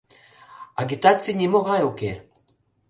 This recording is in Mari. Агитаций нимогай уке!